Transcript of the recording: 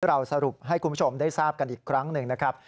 เราสรุปให้คุณผู้ชมได้ทราบกันอีกครั้งหนึ่งนะครับ